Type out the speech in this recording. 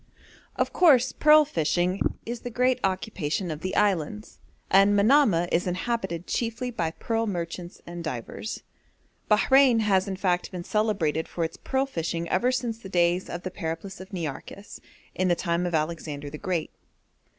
Of course pearl fishing is the great occupation of the islands, and Manamah is inhabited chiefly by pearl merchants and divers. Bahrein has in fact been celebrated for its pearl fishing ever since the days of the Periplus of Nearchus, in the time of Alexander the Great.